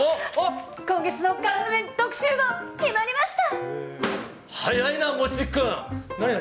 今月のカップ麺特集号、決まりました。